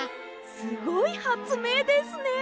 すごいはつめいですね。